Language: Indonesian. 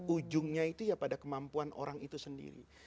ujungnya itu ya pada kemampuan orang itu sendiri